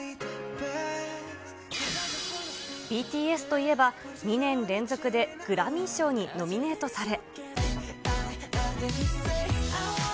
ＢＴＳといえば、２年連続でグラミー賞にノミネートされ。